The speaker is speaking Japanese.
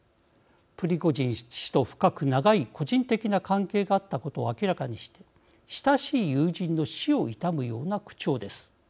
プリゴジン氏と、深く長い個人的な関係があったことを明らかにして親しい友人の死を悼むような口調です。